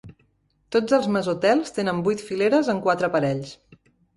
Totes els mesotels tenen vuit fileres en quatre parells.